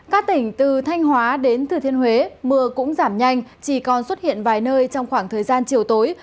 các tỉnh từ thanh hóa đến thừa thiên huế mưa cũng giảm nhanh chỉ còn xuất hiện vài nơi trong khoảng thời gian chiều tối